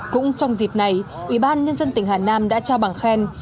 cũng trong dịp này ủy ban nhân dân tỉnh hà nam đã trao bằng khen